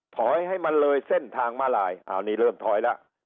ถอยให้มันเลยเส้นทางมาลายอ้าวนี่เริ่มถอยแล้ว